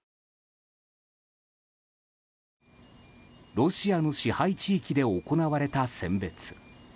ロシアの支配地域で行われた選別。